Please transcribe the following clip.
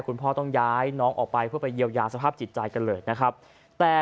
คุณพ่อต้องย้ายน้องออกไปเพื่อไปเยียวยาสภาพจิตใจกันเลยนะครับแต่